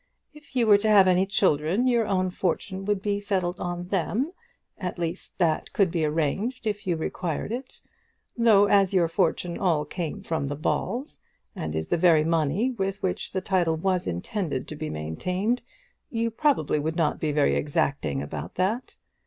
If you were to have any children, your own fortune would be settled on them; at least, that could be arranged, if you required it; though, as your fortune all came from the Balls, and is the very money with which the title was intended to be maintained, you probably would not be very exacting about that.